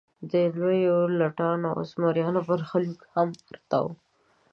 د لویو لټانو او زمریانو برخلیک هم ورته و.